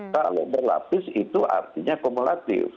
kalau berlapis itu artinya kumulatif